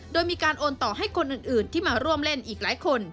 โดยมีการโอนต่อให้คนอื่นที่มาร่วมเล่นอีกหลายคน